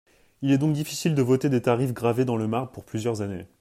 Il est donc difficile de voter des tarifs gravés dans le marbre pour plusieurs années.